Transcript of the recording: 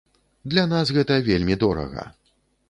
Для нас гэта вельмі дорага.